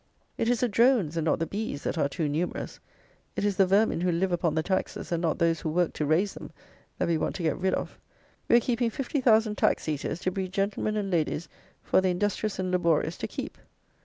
It is the drones, and not the bees, that are too numerous; it is the vermin who live upon the taxes, and not those who work to raise them, that we want to get rid of. We are keeping fifty thousand tax eaters to breed gentlemen and ladies for the industrious and laborious to keep.